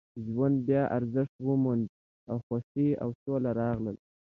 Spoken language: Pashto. ژوند بیا ارزښت وموند او خوښۍ او سوله راغله